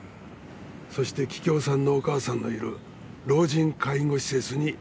そして桔梗さんのお母さんのいる老人介護施設に足を運びました。